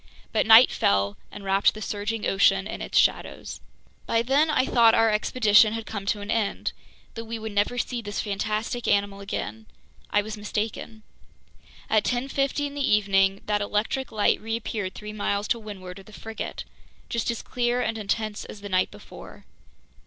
But night fell and wrapped the surging ocean in its shadows. By then I thought our expedition had come to an end, that we would never see this fantastic animal again. I was mistaken. At 10:50 in the evening, that electric light reappeared three miles to windward of the frigate, just as clear and intense as the night before.